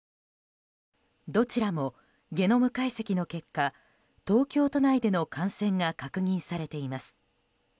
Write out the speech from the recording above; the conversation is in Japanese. どちらもゲノム解析の結果東京都内での感染が確認されています。